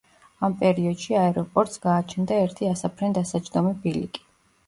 ამ პერიოდში აეროპორტს გააჩნდა ერთი ასაფრენ-დასაჯდომი ბილიკი.